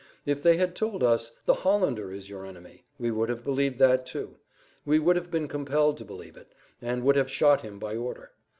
If they had told us, "The Hollander is your enemy," we would have believed that, too; we would have been compelled to believe it, and would have shot him by order.